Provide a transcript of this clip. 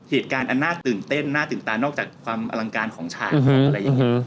เหตุการณ์อันน่าตื่นเต้นน่าตื่นตานอกจากความอลังการของฉากอะไรอย่างนี้